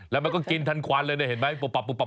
แล้วมันก็กินทันควันเลยนะเห็นไหมปุ๊บปับเลย